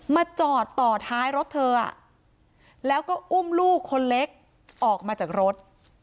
มาจอดต่อท้ายรถเธอแล้วก็อุ้มลูกคนเล็กออกมาจากรถ